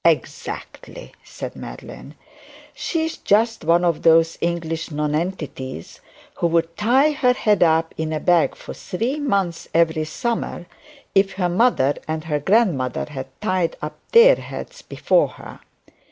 'Exactly,' said Madeline. 'She is just one of those English nonentities who would tie her head up in a bag for three months every summer, if her mother and her grandmother had tied up their heads before her.